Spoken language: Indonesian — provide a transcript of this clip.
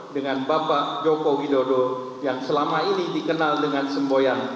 dan bapak joko widodo yang selama ini dikenal dengan semboyan